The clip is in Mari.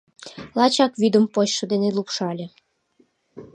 Лачак вӱдым почшо дене лупшале